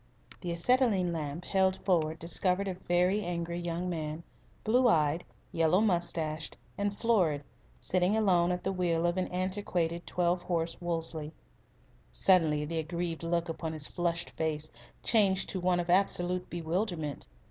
The acetylene lamp, held forward, discovered a very angry young man, blue eyed, yellow moustached, and florid, sitting alone at the wheel of an antiquated twelve horse Wolseley. Suddenly the aggrieved look upon his flushed face changed to one of absolute bewilderment.